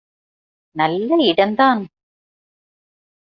நல்ல இடம் தான்.